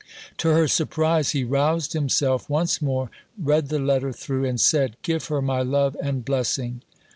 To her surprise he roused himself once more, read the letter through, and said, "Give her my love and blessing."